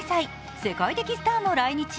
世界的スターも来日。